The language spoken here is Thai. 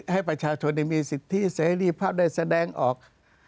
ให้ประชาชนมีสิทธิเสรีภาพได้แสดงออก